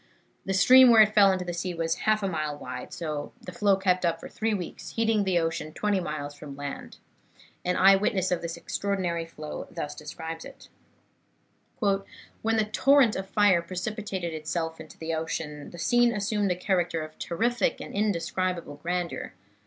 The stream where it fell into the sea was half a mile wide, and the flow kept up for three weeks, heating the ocean twenty miles from land. An eye witness of this extraordinary flow thus describes it: "When the torrent of fire precipitated itself into the ocean, the scene assumed a character of terrific and indescribable grandeur.